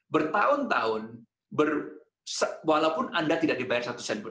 bertahun tahun walaupun anda tidak dibayar satu sen pun